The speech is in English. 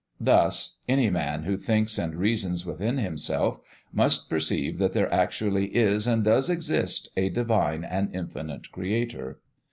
Thus any man who thinks and reasons within himself must perceive that there actually is and does exist a divine and infinite Creator.